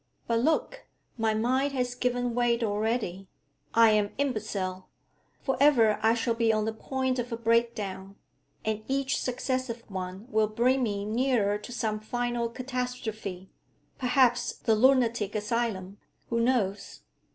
'But look, my mind has given way already! I am imbecile. For ever I shall be on the point of a break down, and each successive one will bring me nearer to some final catastrophe perhaps the lunatic asylum who knows?'